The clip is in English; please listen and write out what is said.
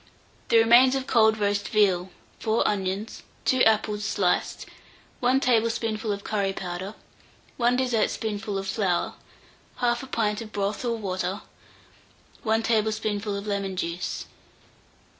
The remains of cold roast veal, 4 onions, 2 apples sliced, 1 tablespoonful of curry powder, 1 dessertspoonful of flour, 1/2 pint of broth or water, 1 tablespoonful of lemon juice.